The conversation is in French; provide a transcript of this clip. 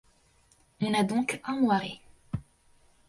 On a donc un moiré.